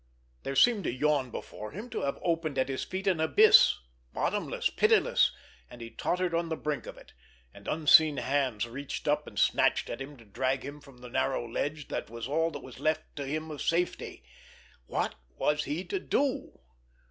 There seemed to yawn before him, to have opened at his feet an abyss, bottomless, pitiless, and he tottered on the brink of it, and unseen hands reached up and snatched at him to drag him from the narrow ledge that was all that was left to him of safety. What was he to do?